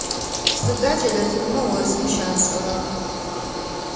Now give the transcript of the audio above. Сыда кӏэлэцӏыкӏумэ осым щашӏэрэр?